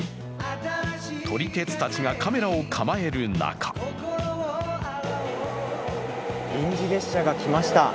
撮り鉄たちがカメラを構える中臨時列車が来ました。